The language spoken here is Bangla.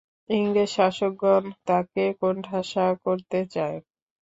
ইংরেজ শাসকগণ তাঁকে কোণঠাসা করতে চায়।